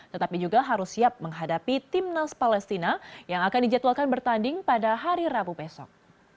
tetapi juga harus siap menghadapi timnas palestina yang akan dijadwalkan bertanding pada hari rabu besok